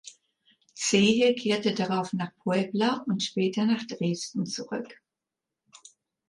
Zehe kehrte darauf nach Puebla und später nach Dresden zurück.